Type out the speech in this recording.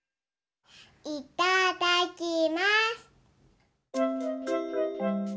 いただきます。